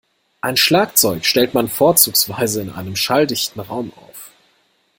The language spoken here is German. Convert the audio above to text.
Ein Schlagzeug stellt man vorzugsweise in einem schalldichten Raum auf.